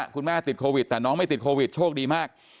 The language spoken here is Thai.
คุณแม่ติดโควิดแต่น้องไม่ติดโควิดโชคดีมาก